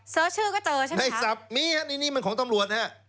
เซอร์ชื่อก็เจอใช่ไหมครับนายสับมีครับนี่มันของตำรวจครับ